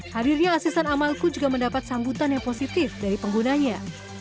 hadirnya asisten amalku juga mendapat sambutan yang positif dari penggunanya